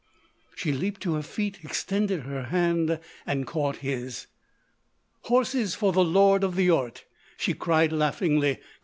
She leaped to her feet, extended her hand and caught his. "Horses for the lord of the Yiort!" she cried, laughingly.